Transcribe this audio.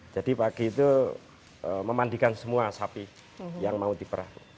jadi pagi itu memandikan semua sapi yang mau diperah